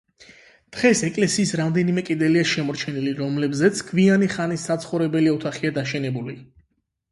დღეს ეკლესიის რამდენიმე კედელია შემორჩენილი, რომლებზეც გვიანი ხანის საცხოვრებელი ოთახია და შენებული.